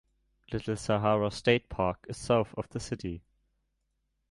Little Sahara State Park is south of the city.